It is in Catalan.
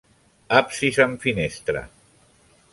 Absis amb finestra.